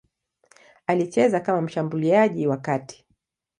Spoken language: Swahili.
Alicheza kama mshambuliaji wa kati.